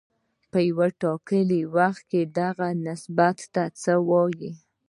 په یو ټاکلي وخت کې دغه نسبت ته څه وايي